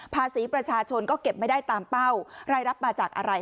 ภาษีประชาชนก็เก็บไม่ได้ตามเป้ารายรับมาจากอะไร